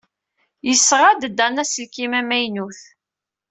Yesɣa-d Dan aselkim amaynu.